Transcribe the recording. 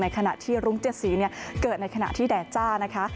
ขณะที่รุ้งเจ็ดสีเกิดในขณะที่แดดจ้านะคะ